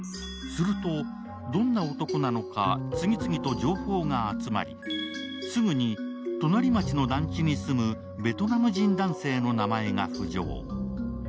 すると、どんな男なのか次々と情報が集まり、すぐに隣町の団地に住むベトナム人男性の名前が浮上。